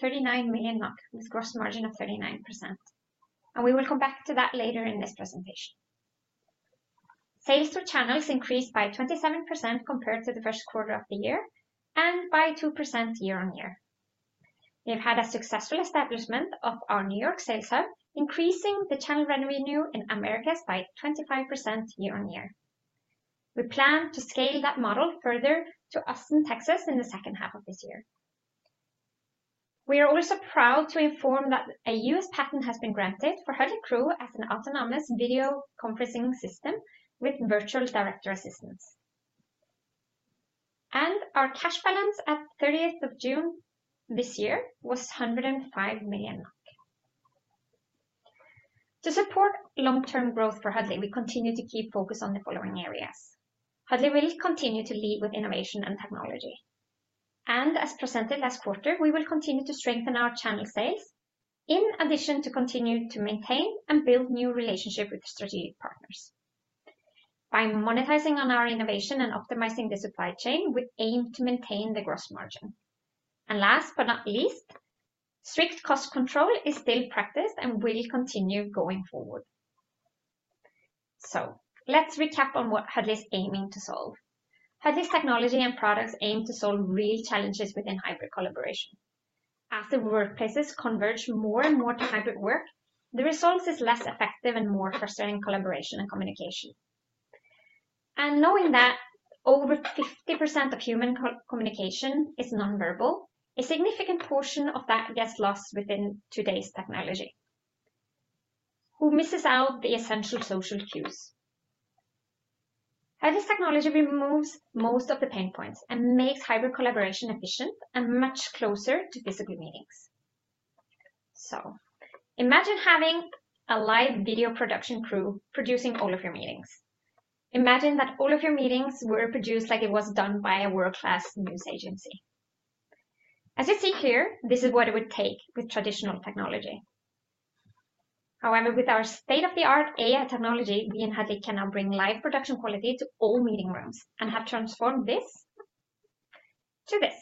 of 39 million NOK, with gross margin of 39%, and we will come back to that later in this presentation. Sales through channels increased by 27% compared to the first quarter of the year, and by 2% year-on-year. We've had a successful establishment of our New York sales hub, increasing the channel revenue in Americas by 25% year-on-year. We plan to scale that model further to Austin, Texas, in the second half of this year. We are also proud to inform that a U.S. patent has been granted for Huddly Crew as an autonomous video conferencing system with virtual director assistance. Our cash balance at 30th of June this year was 105 million. To support long-term growth for Huddly, we continue to keep focus on the following areas. Huddly will continue to lead with innovation and technology. And as presented last quarter, we will continue to strengthen our channel sales, in addition to continue to maintain and build new relationship with strategic partners. By monetizing on our innovation and optimizing the supply chain, we aim to maintain the gross margin. And last but not least, strict cost control is still practiced and will continue going forward. So let's recap on what Huddly is aiming to solve. Huddly's technology and products aim to solve real challenges within hybrid collaboration. As the workplaces converge more and more to hybrid work, the results is less effective and more frustrating collaboration and communication. And knowing that over 50% of human communication is non-verbal, a significant portion of that gets lost within today's technology, who misses out the essential social cues. Huddly's technology removes most of the pain points and makes hybrid collaboration efficient and much closer to physical meetings. So imagine having a live video production crew producing all of your meetings. Imagine that all of your meetings were produced like it was done by a world-class news agency. As you see here, this is what it would take with traditional technology. However, with our state-of-the-art AI technology, we in Huddly can now bring live production quality to all meeting rooms and have transformed this to this.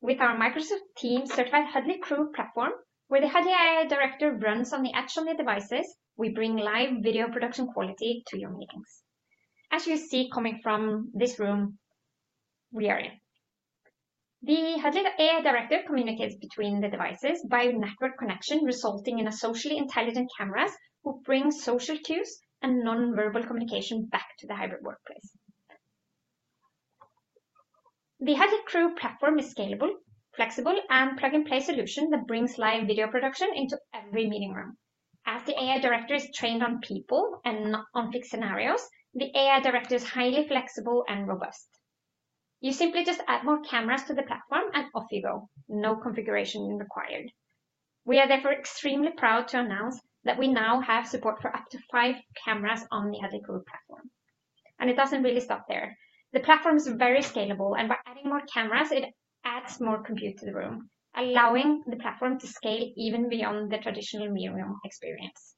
With our Microsoft Teams certified Huddly Crew platform, where the Huddly AI Director runs on the edge on the devices, we bring live video production quality to your meetings, as you see coming from this room we are in. The Huddly AI Director communicates between the devices by network connection, resulting in a socially intelligent cameras who bring social cues and non-verbal communication back to the hybrid workplace. The Huddly Crew platform is scalable, flexible, and plug-and-play solution that brings live video production into every meeting room. As the AI director is trained on people and not on fixed scenarios, the AI director is highly flexible and robust. You simply just add more cameras to the platform, and off you go, no configuration required. We are therefore extremely proud to announce that we now have support for up to five cameras on the Huddly Crew platform, and it doesn't really stop there. The platform is very scalable, and by adding more cameras, it adds more compute to the room, allowing the platform to scale even beyond the traditional meeting room experience.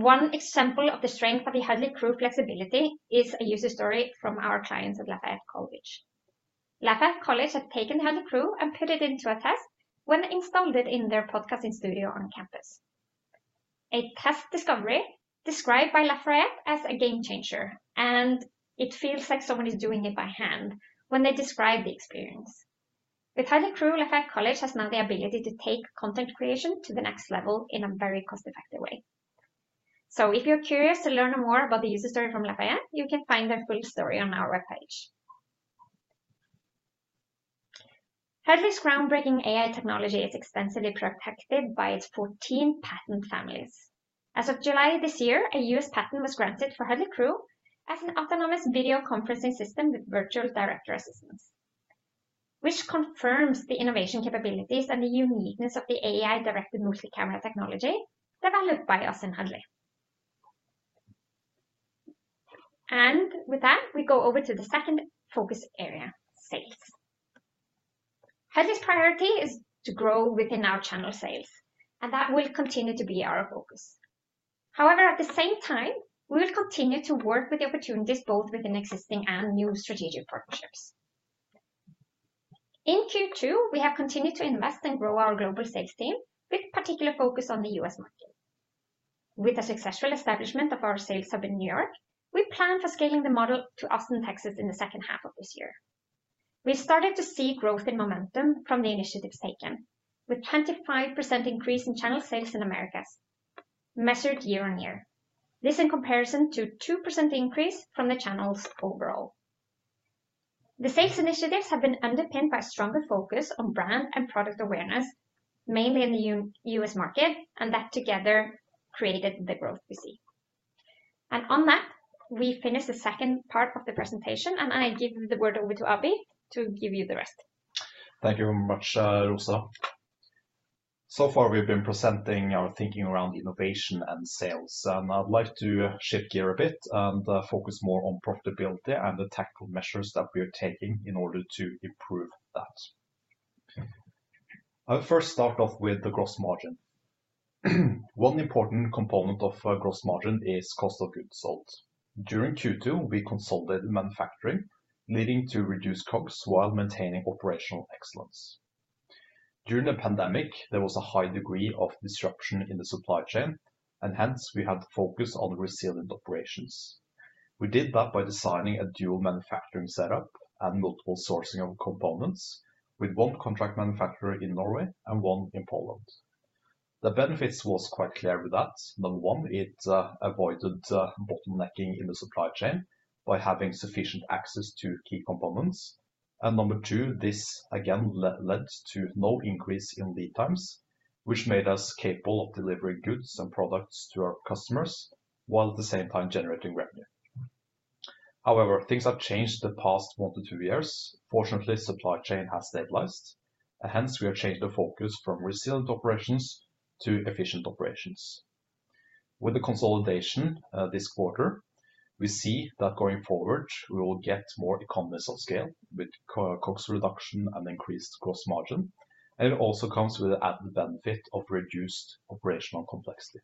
One example of the strength of the Huddly Crew flexibility is a user story from our clients at Lafayette College. Lafayette College had taken the Huddly Crew and put it into a test when they installed it in their podcasting studio on campus. A test discovery described by Lafayette as a game changer, and "it feels like someone is doing it by hand" when they describe the experience. With Huddly Crew, Lafayette College has now the ability to take content creation to the next level in a very cost-effective way. So if you're curious to learn more about the user story from Lafayette, you can find the full story on our webpage. Huddly's groundbreaking AI technology is extensively protected by its 14 patent families. As of July this year, a U.S. patent was granted for Huddly Crew as an autonomous video conferencing system with virtual director assistance, which confirms the innovation capabilities and the uniqueness of the AI-directed multi-camera technology developed by us in Huddly. And with that, we go over to the second focus area, sales. Huddly's priority is to grow within our channel sales, and that will continue to be our focus. However, at the same time, we will continue to work with the opportunities both within existing and new strategic partnerships. In Q2, we have continued to invest and grow our global sales team, with particular focus on the U.S. market. With the successful establishment of our sales hub in New York, we plan for scaling the model to Austin, Texas, in the second half of this year. We started to see growth and momentum from the initiatives taken, with 25% increase in channel sales in Americas, measured year-on-year. This in comparison to 2% increase from the channels overall. The sales initiatives have been underpinned by stronger focus on brand and product awareness, mainly in the U.S. market, and that together created the growth we see, and on that, we finish the second part of the presentation, and I give the word over to Abhi to give you the rest. Thank you very much, Rósa. So far, we've been presenting our thinking around innovation and sales, and I'd like to shift gear a bit and focus more on profitability and the tactical measures that we are taking in order to improve that. I'll first start off with the gross margin. One important component of our gross margin is cost of goods sold. During Q2, we consolidated manufacturing, leading to reduced COGS while maintaining operational excellence. During the pandemic, there was a high degree of disruption in the supply chain, and hence we had to focus on resilient operations. We did that by designing a dual manufacturing setup and multiple sourcing of components, with one contract manufacturer in Norway and one in Poland. The benefits was quite clear with that. Number one, it avoided bottlenecking in the supply chain by having sufficient access to key components. And number two, this again led to no increase in lead times, which made us capable of delivering goods and products to our customers, while at the same time generating revenue. However, things have changed the past one to two years. Fortunately, supply chain has stabilized, and hence we have changed the focus from resilient operations to efficient operations. With the consolidation, this quarter, we see that going forward, we will get more economies of scale with COGS reduction and increased gross margin, and it also comes with the added benefit of reduced operational complexity.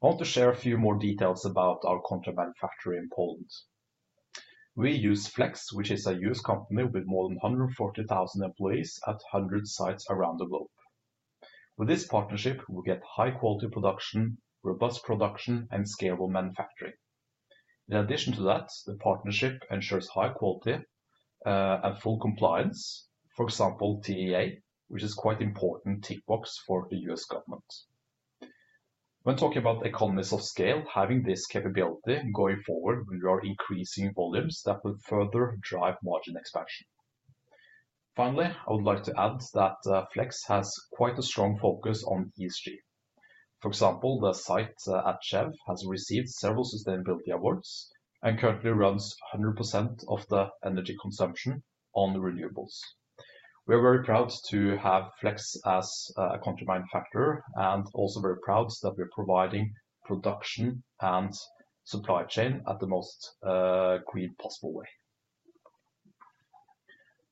I want to share a few more details about our contract manufacturer in Poland. We use Flex, which is a U.S. company with more than 140,000 employees at 100 sites around the globe. With this partnership, we get high-quality production, robust production, and scalable manufacturing. In addition to that, the partnership ensures high quality, and full compliance. For example, TAA, which is quite important tick box for the U.S. government. When talking about economies of scale, having this capability going forward, we are increasing volumes that will further drive margin expansion. Finally, I would like to add that, Flex has quite a strong focus on ESG. For example, the site at Tczew has received several sustainability awards and currently runs 100% of the energy consumption on renewables. We are very proud to have Flex as a contract manufacturer, and also very proud that we're providing production and supply chain at the most, green possible way.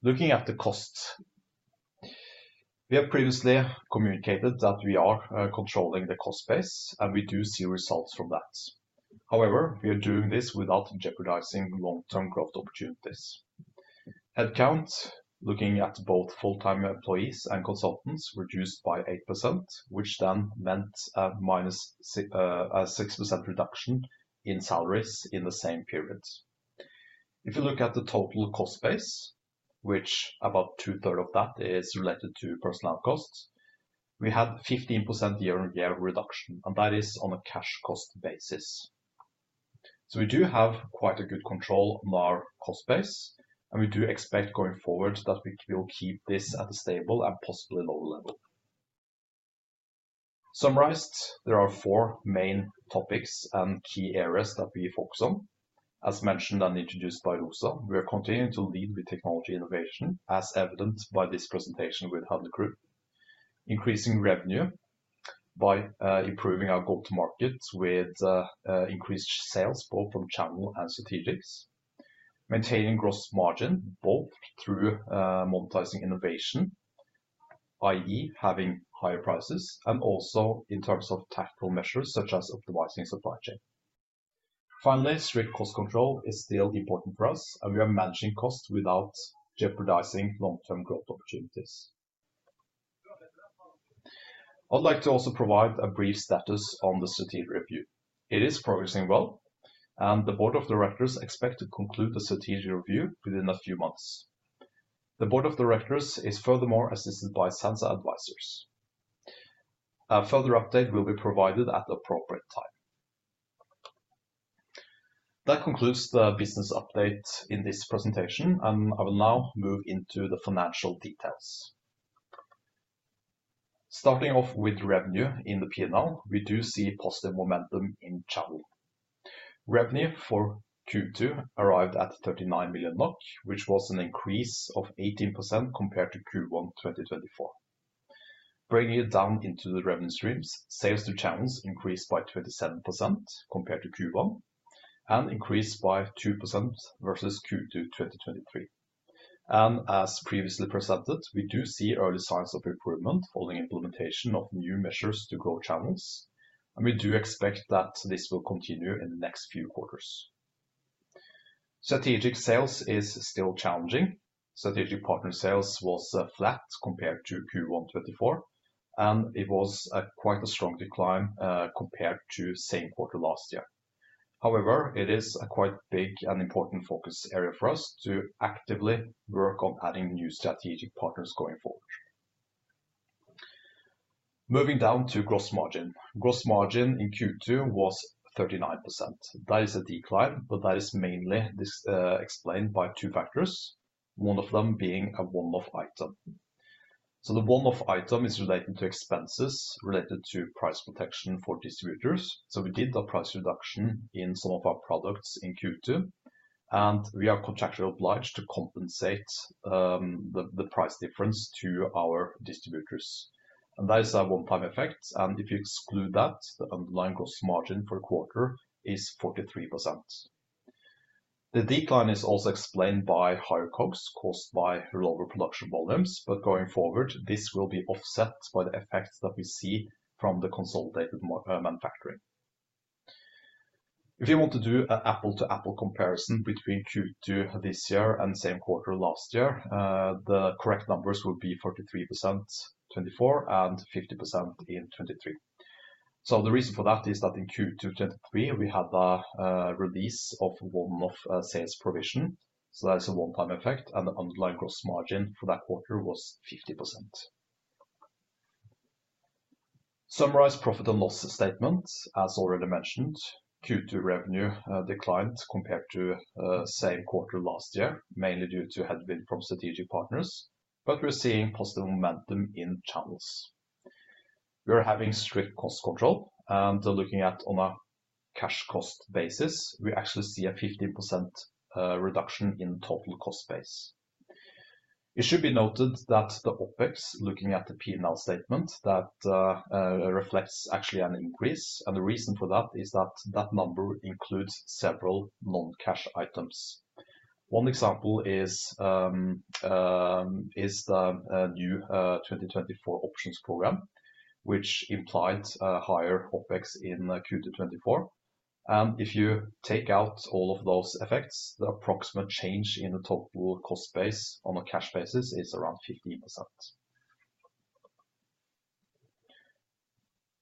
Looking at the cost, we have previously communicated that we are, controlling the cost base, and we do see results from that. However, we are doing this without jeopardizing long-term growth opportunities. Headcount, looking at both full-time employees and consultants, reduced by 8%, which then meant a -6% reduction in salaries in the same period. If you look at the total cost base, which about 2/3 of that is related to personnel costs, we had 15% year-on-year reduction, and that is on a cash cost basis. We do have quite a good control on our cost base, and we do expect going forward that we will keep this at a stable and possibly lower level. Summarized, there are four main topics and key areas that we focus on. As mentioned and introduced by Rósa, we are continuing to lead with technology innovation, as evidenced by this presentation with Huddly Crew. Increasing revenue by improving our go-to-market with increased sales, both from channel and strategic. Maintaining gross margin, both through monetizing innovation, i.e., having higher prices, and also in terms of tactical measures, such as optimizing supply chain. Finally, strict cost control is still important for us, and we are managing costs without jeopardizing long-term growth opportunities. I'd like to also provide a brief status on the strategic review. It is progressing well, and the board of directors expect to conclude the strategic review within a few months. The board of directors is furthermore assisted by Sansa Advisors. A further update will be provided at the appropriate time. That concludes the business update in this presentation, and I will now move into the financial details. Starting off with revenue in the P&L, we do see positive momentum in channel revenue for Q2 arrived at 39 million NOK, which was an increase of 18% compared to Q1 2024. Breaking it down into the revenue streams, sales to channels increased by 27% compared to Q1 and increased by 2% versus Q2 2023. As previously presented, we do see early signs of improvement following implementation of new measures to grow channels, and we do expect that this will continue in the next few quarters. Strategic sales is still challenging. Strategic partner sales was flat compared to Q1 2024, and it was a quite strong decline compared to same quarter last year. However, it is a quite big and important focus area for us to actively work on adding new strategic partners going forward. Moving down to gross margin. Gross margin in Q2 was 39%. That is a decline, but that is mainly this, explained by two factors, one of them being a one-off item. The one-off item is relating to expenses related to price protection for distributors. We did a price reduction in some of our products in Q2, and we are contractually obliged to compensate the price difference to our distributors, and that is a one-time effect. If you exclude that, the underlying gross margin for a quarter is 43%. The decline is also explained by higher COGS caused by lower production volumes, but going forward, this will be offset by the effects that we see from the consolidated manufacturing. If you want to do an apple-to-apple comparison between Q2 this year and same quarter last year, the correct numbers will be 43%, 24%, and 50% in 2023. So the reason for that is that in Q2 2023, we had a release of one-off sales provision, so that is a one-time effect, and the underlying gross margin for that quarter was 50%. Summarize profit and loss statement. As already mentioned, Q2 revenue declined compared to same quarter last year, mainly due to headwind from strategic partners, but we're seeing positive momentum in channels. We are having strict cost control and looking at on a cash cost basis, we actually see a 15% reduction in total cost base. It should be noted that the OpEx, looking at the P&L statement, that reflects actually an increase, and the reason for that is that that number includes several non-cash items. One example is the new 2024 options program, which implied a higher OpEx in Q2 2024. If you take out all of those effects, the approximate change in the total cost base on a cash basis is around 15%.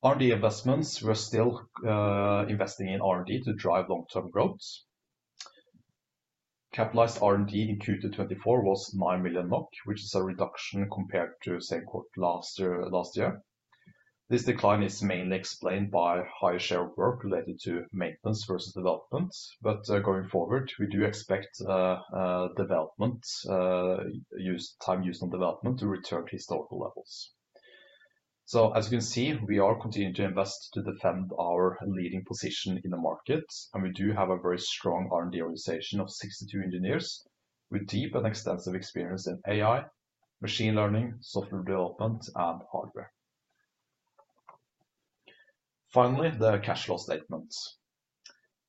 R&D investments. We're still investing in R&D to drive long-term growth. Capitalized R&D in Q2 2024 was 9 million NOK, which is a reduction compared to same quarter last year. This decline is mainly explained by higher share of work related to maintenance versus development. Going forward, we do expect time used on development to return to historical levels. As you can see, we are continuing to invest to defend our leading position in the market, and we do have a very strong R&D organization of 62 engineers with deep and extensive experience in AI, machine learning, software development, and hardware. Finally, the cash flow statement.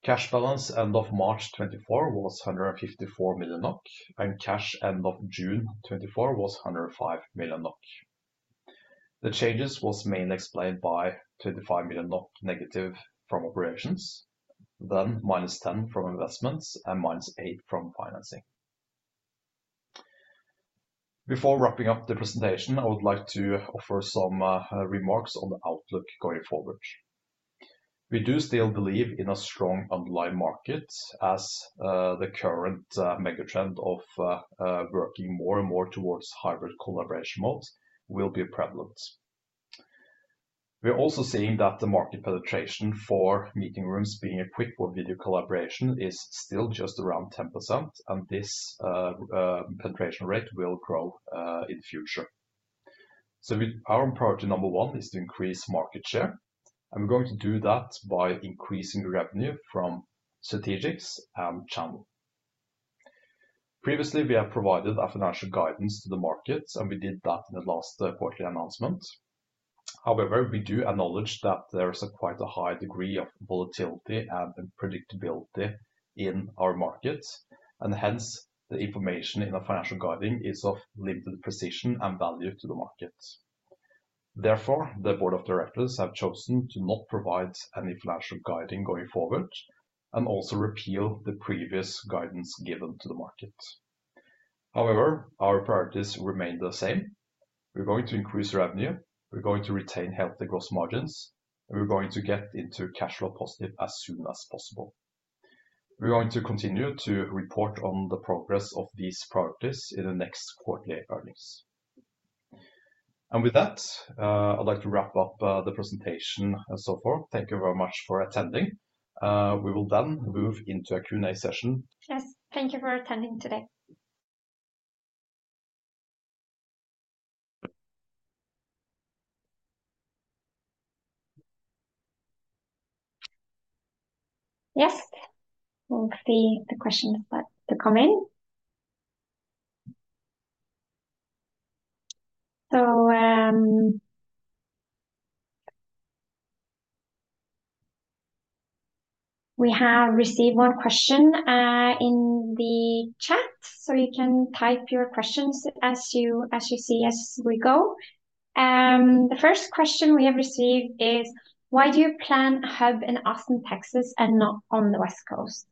Cash balance end of March 2024 was 154 million NOK, and cash end of June 2024 was 105 million NOK. The changes was mainly explained by -35 million NOK negative from operations, then -10 million from investments, and -8 million from financing. Before wrapping up the presentation, I would like to offer some remarks on the outlook going forward. We do still believe in a strong underlying market as the current mega trend of working more and more towards hybrid collaboration mode will be prevalent. We are also seeing that the market penetration for meeting rooms being equipped for video collaboration is still just around 10%, and this penetration rate will grow in the future. Our priority number one is to increase market share, and we're going to do that by increasing revenue from strategics and channel. Previously, we have provided a financial guidance to the markets, and we did that in the last quarterly announcement. However, we do acknowledge that there is quite a high degree of volatility and unpredictability in our market, and hence, the information in our financial guiding is of limited precision and value to the market. Therefore, the board of directors have chosen to not provide any financial guiding going forward and also repeal the previous guidance given to the market. However, our priorities remain the same. We're going to increase revenue, we're going to retain healthy gross margins, and we're going to get into cash flow positive as soon as possible. We're going to continue to report on the progress of these priorities in the next quarterly earnings. And with that, I'd like to wrap up the presentation and so forth. Thank you very much for attending. We will then move into a Q&A session. Yes, thank you for attending today. Yes, we'll see the questions that to come in. So, we have received one question in the chat. So you can type your questions as you see, as we go. The first question we have received is, "Why do you plan a hub in Austin, Texas, and not on the West Coast?"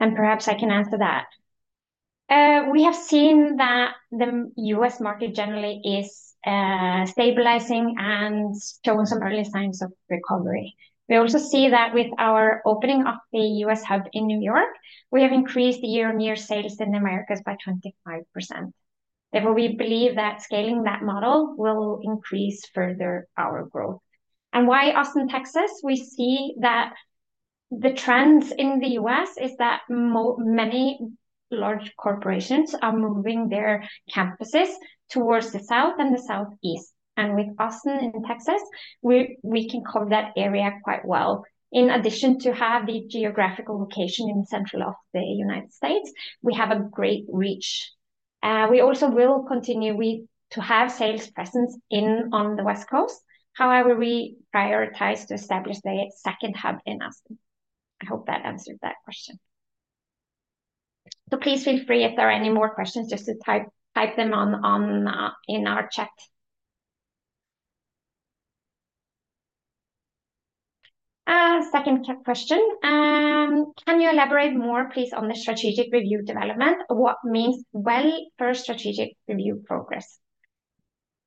And perhaps I can answer that. We have seen that the U.S. market generally is stabilizing and shown some early signs of recovery. We also see that with our opening of the U.S. hub in New York, we have increased the year-on-year sales in Americas by 25%. Therefore, we believe that scaling that model will increase further our growth. And why Austin, Texas? We see that the trends in the U.S. is that many large corporations are moving their campuses towards the south and the southeast, and with Austin, Texas, we can cover that area quite well. In addition to have the geographical location in central of the United States, we have a great reach. We also will continue to have sales presence on the West Coast. However, we prioritize to establish the second hub in Austin. I hope that answered that question, so please feel free if there are any more questions, just to type them in our chat. Second question, can you elaborate more, please, on the strategic review development? What means well for strategic review progress?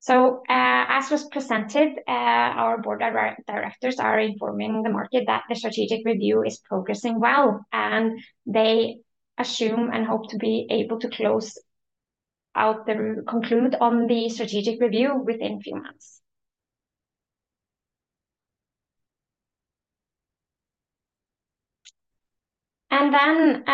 As was presented, our board of directors are informing the market that the strategic review is progressing well, and they assume and hope to be able to conclude on the strategic review within few months. Then,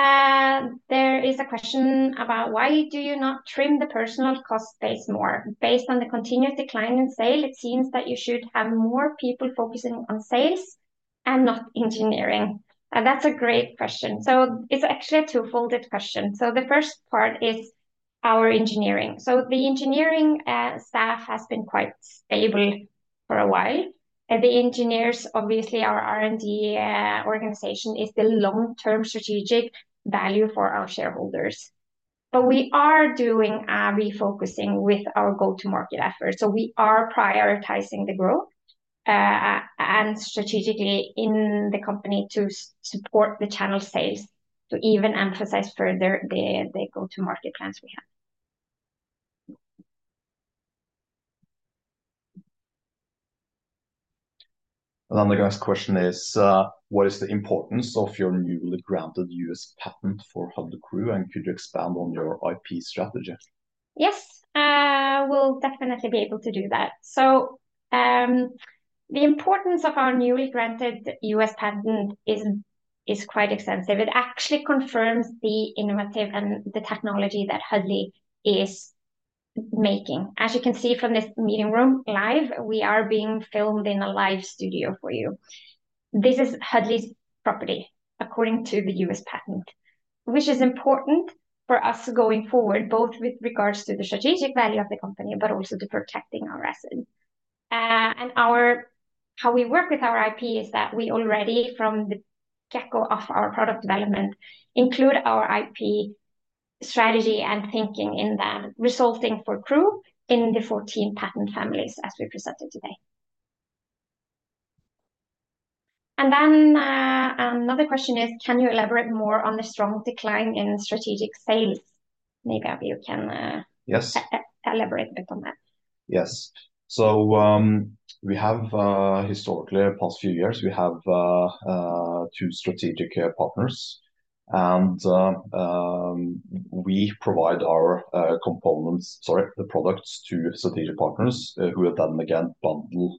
there is a question about, why do you not trim the personnel cost base more? Based on the continued decline in sales, it seems that you should have more people focusing on sales and not engineering. And that's a great question. It's actually a two-fold question. The first part is our engineering. The engineering staff has been quite stable for a while, and the engineers, obviously, our R&D organization, is the long-term strategic value for our shareholders. But we are doing a refocusing with our go-to-market effort, so we are prioritizing the growth, and strategically in the company to support the channel sales, to even emphasize further the go-to-market plans we have. And then the next question is, what is the importance of your newly granted U.S. patent for Huddly Crew, and could you expand on your IP strategy? Yes, we'll definitely be able to do that, so the importance of our newly granted U.S. patent is quite extensive. It actually confirms the innovative and the technology that Huddly is making. As you can see from this meeting room live, we are being filmed in a live studio for you. This is Huddly's property, according to the U.S. patent, which is important for us going forward, both with regards to the strategic value of the company, but also to protecting our assets. And how we work with our IP is that we already, from the get-go of our product development, include our IP strategy and thinking in that, resulting for Crew in the 14 patent families, as we presented today, and then another question is, can you elaborate more on the strong decline in strategic sales? Maybe Abhi you can- Yes Elaborate a bit on that. Yes. So, we have historically, past few years, two strategic partners. And, we provide our components, sorry, the products to strategic partners, who have then again bundle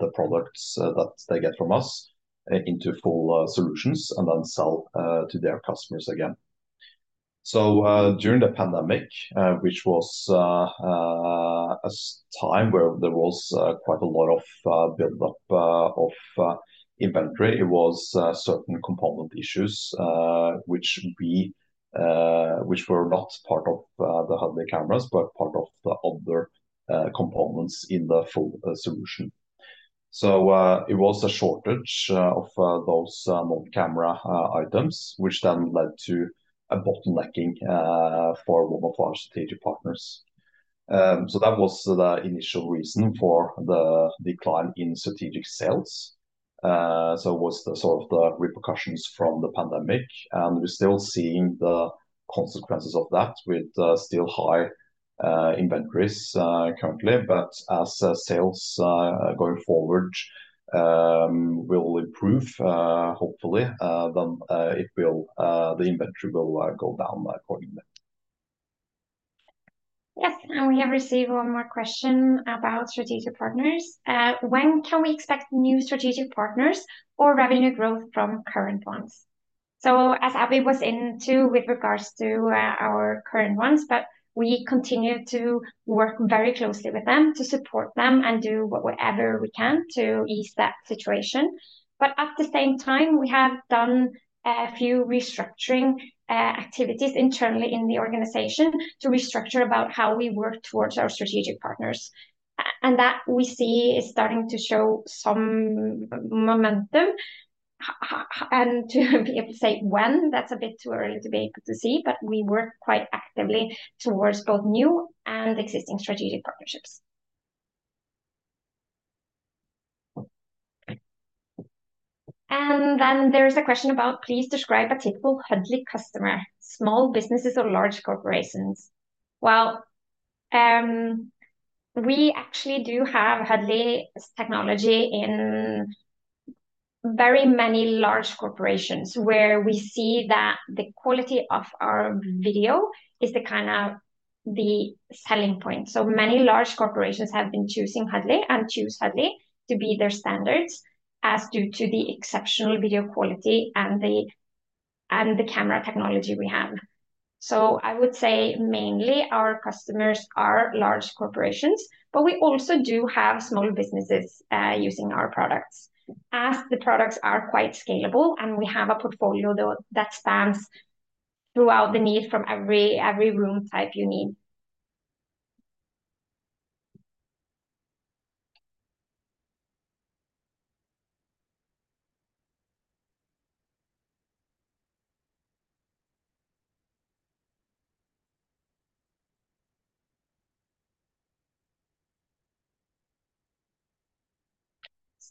the products that they get from us into full solutions, and then sell to their customers again. So, during the pandemic, which was a time where there was quite a lot of build-up of inventory, it was certain component issues, which were not part of the Huddly cameras, but part of the other components in the full solution. So, it was a shortage of those non-camera items, which then led to a bottlenecking for one of our strategic partners. So that was the initial reason for the decline in strategic sales. So was sort of the repercussions from the pandemic, and we're still seeing the consequences of that with still high inventories currently. But as sales going forward will improve hopefully, then the inventory will go down accordingly. Yes, and we have received one more question about strategic partners. When can we expect new strategic partners or revenue growth from current ones? As Abhi was into with regards to our current ones, we continue to work very closely with them to support them and do whatever we can to ease that situation. At the same time, we have done a few restructuring activities internally in the organization to restructure about how we work towards our strategic partners, and that we see is starting to show some momentum. To be able to say when, that's a bit too early to be able to see, but we work quite actively towards both new and existing strategic partnerships. Then there's a question about, please describe a typical Huddly customer, small businesses or large corporations? We actually do have Huddly technology in very many large corporations, where we see that the quality of our video is the kind of the selling point. Many large corporations have been choosing Huddly and choose Huddly to be their standards as due to the exceptional video quality and the camera technology we have. I would say mainly our customers are large corporations, but we also do have small businesses using our products, as the products are quite scalable, and we have a portfolio that spans throughout the need from every room type you need.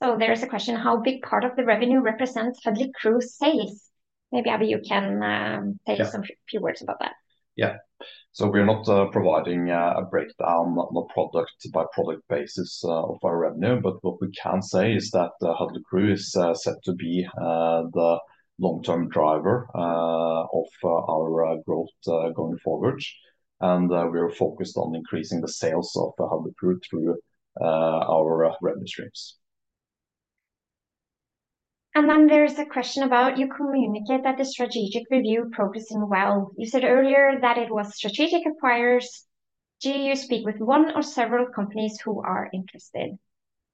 There is a question, how big part of the revenue represents Huddly Crew sales? Maybe, Abhi, you can say some few words about that. Yeah, so we're not providing a breakdown on a product-by-product basis of our revenue, but what we can say is that Huddly Crew is set to be the long-term driver of our growth going forward, and we are focused on increasing the sales of the Huddly Crew through our revenue streams. And then there is a question about, you communicate that the strategic review progressing well. You said earlier that it was strategic acquirers. Do you speak with one or several companies who are interested?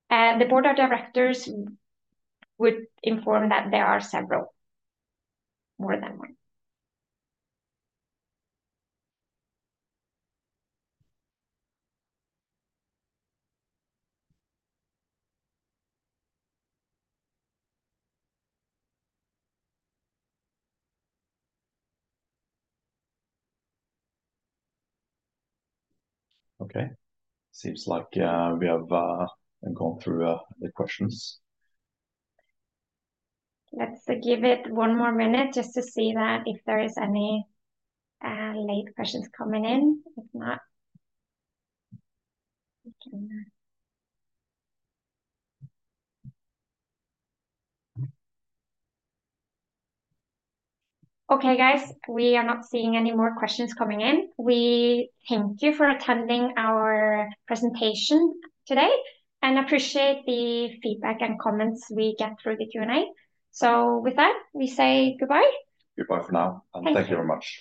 The board of directors would inform that there are several, more than one. Okay. Seems like we have gone through the questions. Let's give it one more minute just to see that if there is any late questions coming in. If not, we can... Okay, guys, we are not seeing any more questions coming in. We thank you for attending our presentation today, and appreciate the feedback and comments we get through the Q&A. So with that, we say goodbye. Goodbye for now, and thank you very much.